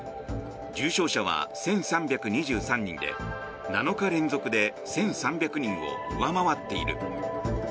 重症者は１３２３人で７日連続で１３００人を上回っている。